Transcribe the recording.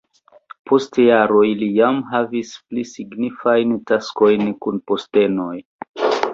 Post jaroj li jam havis pli signifajn taskojn kun postenoj.